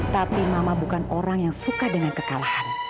tapi mama bukan orang yang suka dengan kekalahan